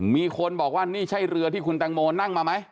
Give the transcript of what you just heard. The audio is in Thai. มีคนบอกว่านี่ใช่เรือที่คุณแตงโมนั่งมาไหม